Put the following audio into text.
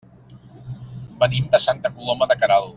Venim de Santa Coloma de Queralt.